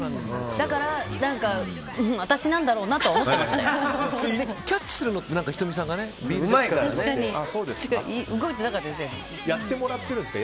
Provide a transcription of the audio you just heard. だから、私なんだろうなとはキャッチするのって動いてなかったですよ。